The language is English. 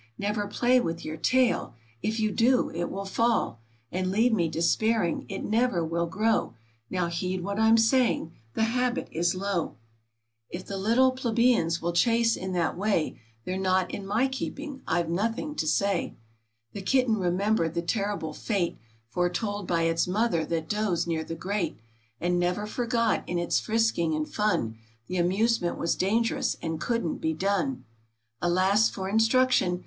Kever play with your tail ! If you do it will fall, And leave me despairing; — It never will grow! Kow heed what I'm saying — the habit is low. THE CAT AND HER KITTEN. 15 If the little plebeians will chase in that way, They're not in my keeping ; I've nothing to say !" The Kitten remembered the terrible fate, Foretold by its Mother that dozed near the grate, And never forgot, in its frisking and fun, The amusement was dangerous, and couldn't he done. Alas for instruction